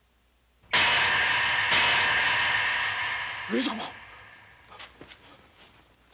上様。